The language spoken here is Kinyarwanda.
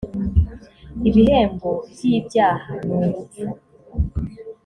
ibihembo by ‘ibyaha ni urupfu .